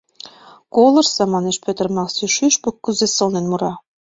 — Колыштса, — манеш Петр Макси, — шӱшпык кузе сылнын мура.